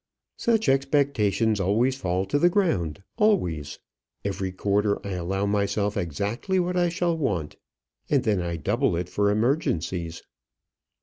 "Such expectations always fall to the ground always. Every quarter I allow myself exactly what I shall want, and then I double it for emergencies."